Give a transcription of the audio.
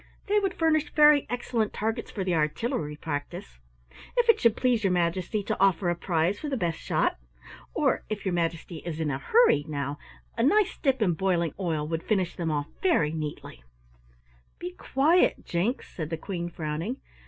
They would furnish very excellent targets for the artillery practise? If it should please your Majesty to offer a prize for the best shot? Or, if your Majesty is in a hurry, now, a nice dip in boiling oil would finish them off very neatly!" "Be quiet, Jinks," said the Queen frowning.